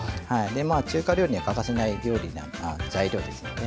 中華料理には欠かせない料理材料ですのでね。